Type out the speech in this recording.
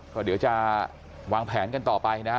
ก็เดี๋ยวจะวางแผนกันต่อไปนะฮะ